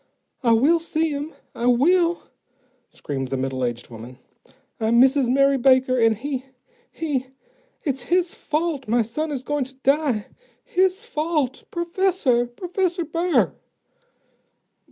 "I will see him, I will," screamed the middle aged woman. "I'm Mrs. Mary Baker, and he he it's his fault my son is going to die. His fault. _Professor! Professor Burr!